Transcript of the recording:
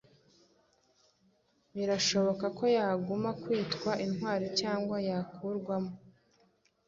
birashoboka ko yaguma kwitwa intwari cyangwa yakurwamo?!